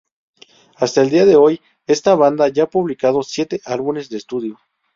Hasta el día de hoy, esta banda ya ha publicado siete álbumes de estudio.